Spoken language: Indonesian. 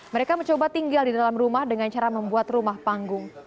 mereka mencoba tinggal di dalam rumah dengan cara membuat rumah panggung